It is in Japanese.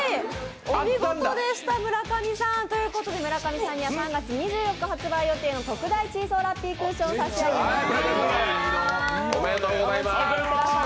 お見事でした、村上さん。ということで村上さんには３月発売予定の特大チーソーラッピークッションを差し上げます。